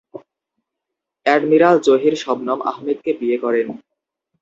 Admiral Zahir Shabnam আহমেদকে বিয়ে করেন।